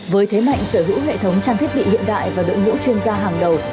với thế mạnh sở hữu hệ thống trang thiết bị hiện đại và đội ngũ chuyên gia hàng đầu